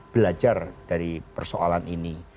belajar dari persoalan ini